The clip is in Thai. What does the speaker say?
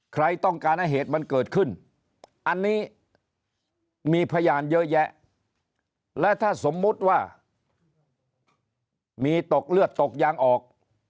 ใครต้องการให้เหตุมันเกิดขึ้นอันนี้มีพยานเยอะแยะและถ้าสมมุติว่ามีตกเลือดตกยางออก